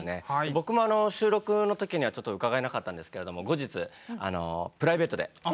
僕もあの収録の時にはちょっと伺えなかったんですけれども後日ああ。